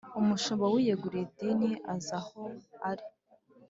Umushumba wiyeguriye idini aza aho ari